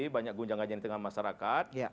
banyak gunjang gunjang di tengah masyarakat